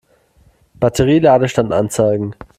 Batterie-Ladestand anzeigen.